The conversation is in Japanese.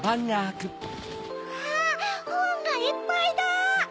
うわほんがいっぱいだ！